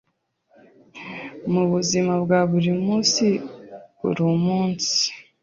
mu buzima bwa buri munsi uri munsi